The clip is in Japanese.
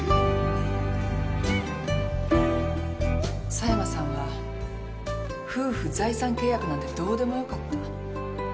狭山さんは夫婦財産契約なんてどうでもよかった。